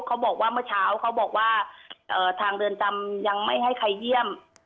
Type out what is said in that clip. เขาเลยจัดการเรื่องนี้ให้เรา